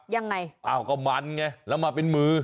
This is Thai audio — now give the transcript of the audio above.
ยังไงอ้าวก็มันไงแล้วมาเป็นมือ